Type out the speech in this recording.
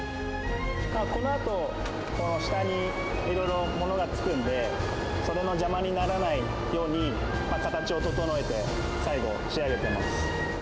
このあと、この下にいろいろ物がつくんで、それの邪魔にならないように形を整えて最後、仕上げています。